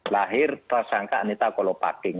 lahir tersangka anita kolopaking